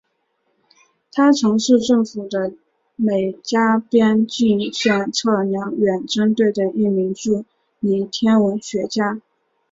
他曾是政府的美加边境线测量远征队的一名助理天文学家。